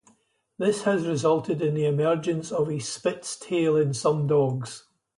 This has resulted in the emergence of a spitz tail in some dogs.